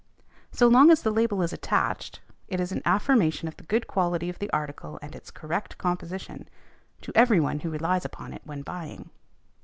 So long as the label is attached, it is an affirmation of the good quality of the article and its correct composition, to every one who relies upon it when buying.